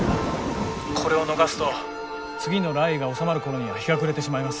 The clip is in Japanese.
これを逃すと次の雷雨が収まる頃には日が暮れてしまいます。